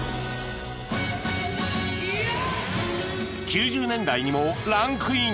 ９０年代にもランクイン